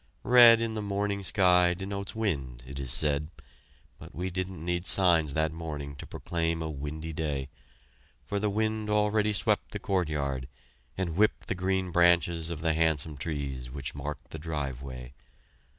Red in the morning sky denotes wind, it is said, but we didn't need signs that morning to proclaim a windy day, for the wind already swept the courtyard, and whipped the green branches of the handsome trees which marked the driveway.